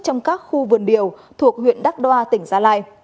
trong các khu vườn điều thuộc huyện đắc đoa tỉnh gia lai